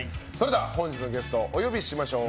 本日のゲストお呼びしましょう。